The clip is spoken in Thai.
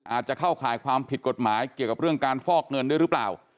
เข้าข่ายความผิดกฎหมายเกี่ยวกับเรื่องการฟอกเงินด้วยหรือเปล่า